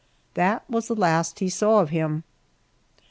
That was the last he saw of him.